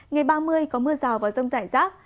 ngày ba mươi có mưa rào và rông rải rác